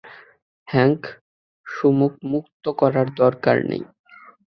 Hank, সুমোকে মুক্ত করার দরকার নেই।